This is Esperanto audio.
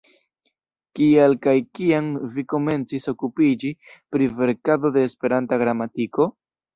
Kial kaj kiam vi komencis okupiĝi pri verkado de Esperanta gramatiko?